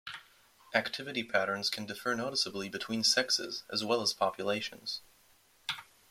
Activity patterns can differ noticeably between sexes as well as populations.